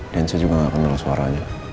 dan saya juga gak kenal suaranya